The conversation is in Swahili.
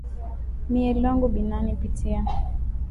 Miye lwangu binani pitia